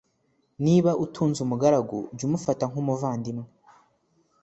niba utunze umugaragu, jya umufata nk'umuvandimwe